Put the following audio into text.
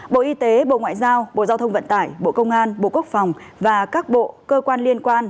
bộ y tế bộ ngoại giao bộ giao thông vận tải bộ công an bộ quốc phòng và các bộ cơ quan liên quan